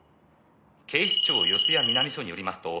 「警視庁四谷南署によりますと」